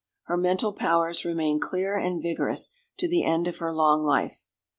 Her mental powers remained clear and vigorous to the end of her long life.